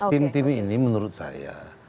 tim tim ini menurut saya